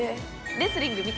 レスリング見て。